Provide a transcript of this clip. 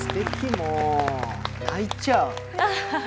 もう泣いちゃう。